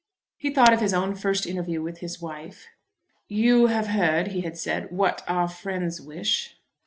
He thought of his own first interview with his wife. "You have heard," he had said, "what our friends wish."